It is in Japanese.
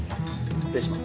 失礼します。